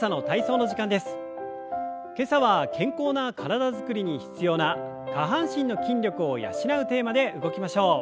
今朝は健康な体づくりに必要な下半身の筋力を養うテーマで動きましょう。